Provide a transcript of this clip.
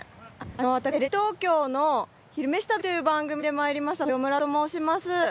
私テレビ東京の「昼めし旅」という番組で参りました豊村と申します